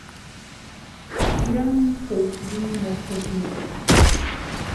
ایران کلتوري مرکزونه لري.